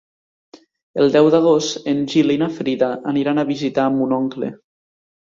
El deu d'agost en Gil i na Frida aniran a visitar mon oncle.